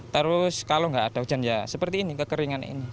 terus kalau nggak ada hujan ya seperti ini kekeringan ini